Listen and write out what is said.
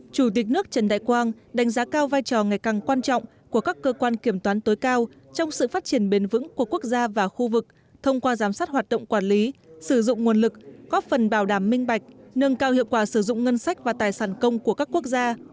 chủ tịch nước trần đại quang đánh giá cao vai trò ngày càng quan trọng của các cơ quan kiểm toán tối cao trong sự phát triển bền vững của quốc gia và khu vực thông qua giám sát hoạt động quản lý sử dụng nguồn lực góp phần bảo đảm minh bạch nâng cao hiệu quả sử dụng ngân sách và tài sản công của các quốc gia